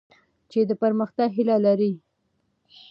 چي د پرمختګ هیله لرئ.